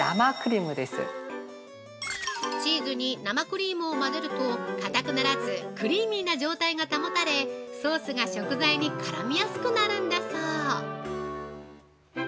チーズに生クリームを混ぜると、かたくならずクリーミーな状態が保たれソースが食材に絡みやすくなるんだそう。